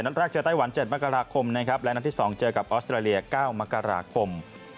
นัดแรกเจอไต้หวัน๗มกราคมนะครับและนัดที่๒เจอกับออสเตรเลีย๙มกราคม